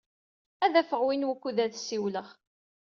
Ad d-afeɣ win wukud ad ssiwleɣ.